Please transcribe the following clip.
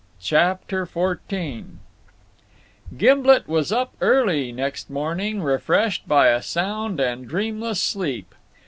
CHAPTER XIV Gimblet was up early next morning, refreshed by a sound and dreamless sleep.